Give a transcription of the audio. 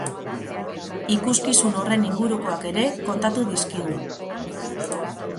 Ikuskizun horren ingurukoak ere kontatu dizkigu.